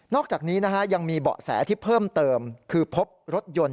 อกจากนี้ยังมีเบาะแสที่เพิ่มเติมคือพบรถยนต์